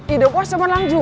idup bos cuman lanjut